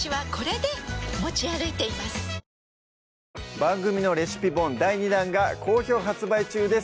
番組のレシピ本第２弾が好評発売中です